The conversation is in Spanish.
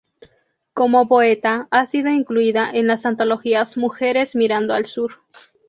Como poeta ha sido incluida en las antologías "Mujeres Mirando Al Sur.